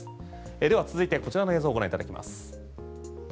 では続いて、こちらの映像をご覧いただきます。